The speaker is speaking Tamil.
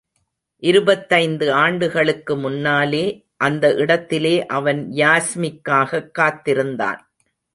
இருபத்தைந்து ஆண்டுகளுக்கு முன்னாலே, அந்த இடத்திலே அவன் யாஸ்மிக்காகக் காத்திருந்தான்.